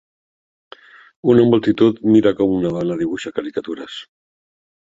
Una multitud mira com una dona dibuixa caricatures.